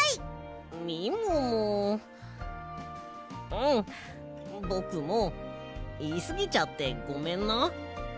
うんぼくもいいすぎちゃってごめんな。